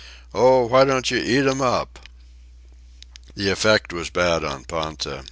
Oh, why don't you eat 'm up?" The effect was bad on Ponta.